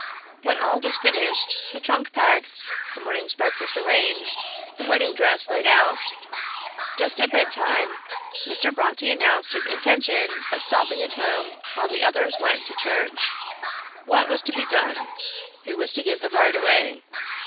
When all was finished the trunk packed, the morning's breakfast arranged, the wedding dress laid out, just at bedtime, Mr. Brontë announced his intention of stopping at home while the others went to church. What was to be done? Who was to give the bride away?